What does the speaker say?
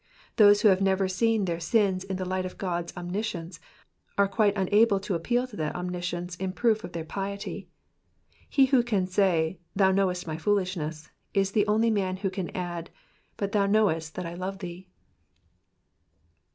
They who have never seen their sins in the light of G<>d'3 omniscience are quite unable to appeal to that omniscience in proof of their IHety. He who can say, ^^Thou hnowest my foolishness,^^ is the only man who can add, But thou knowest that I love thee."